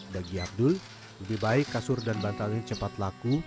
bagi abdul lebih baik kasur dan bantalnya cepat laku